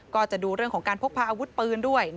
ก็จะดูเรื่องของการพกพาอาวุธปืนด้วย